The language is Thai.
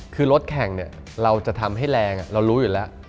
คือรถแข่งเราจะทำให้แรงเรารู้อยู่แล้ว